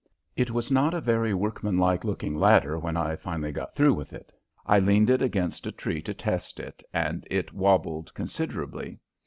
It was not a very workmanlike looking ladder when I finally got through with it. I leaned it against a tree to test it and it wabbled considerably.